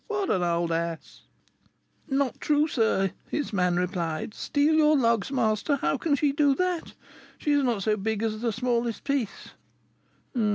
What an old ass!" "'Not true, sir,' his man replied. 'Steal your logs, master! How can she do that? She is not so big as the smallest piece!'